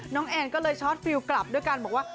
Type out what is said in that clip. แอนก็เลยชอตฟิลกลับด้วยกันบอกว่า